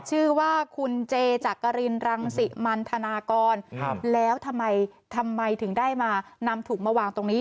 ชื่อว่าคุณเจจักรินรังสิมันธนากรแล้วทำไมทำไมถึงได้มานำถุงมาวางตรงนี้